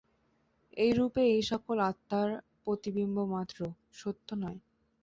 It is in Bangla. এইরূপে এই সকল আত্মা প্রতিবিম্ব মাত্র, সত্য নয়।